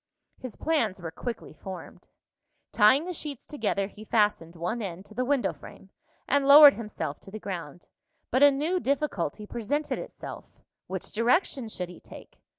His plans were quickly formed. Tying the sheets together, he fastened one end to the window frame, and lowered himself to the ground. But a new difficulty presented itself. Which direction should he take?